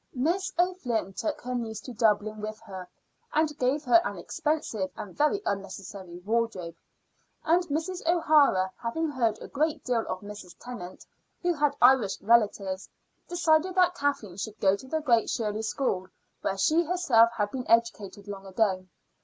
Miss O'Flynn took her niece to Dublin with her, and gave her an expensive and very unnecessary wardrobe; and Mrs. O'Hara, having heard a great deal of Mrs. Tennant, who had Irish relatives, decided that Kathleen should go to the Great Shirley School, where she herself had been educated long ago.